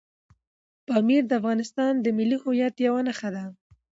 پامیر د افغانستان د ملي هویت یوه نښه ده.